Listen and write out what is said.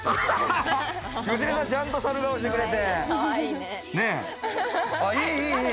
芳根さんちゃんとさる顔してくれて。